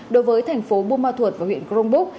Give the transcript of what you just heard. đối với thành phố buôn ma thuột và huyện cronbuk